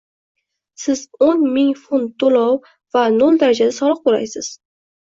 Siz o'n ming funt to‘lov va nol darajada soliq to‘laysiz.